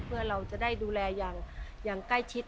เพื่อเราจะได้ดูแลอย่างใกล้ชิด